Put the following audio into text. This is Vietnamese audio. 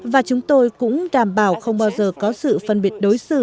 và chúng tôi cũng đảm bảo không bao giờ có sự phân biệt đối xử